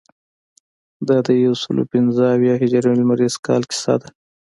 دا د یوسلو پنځه اویا هجري لمریز کال کیسه ده.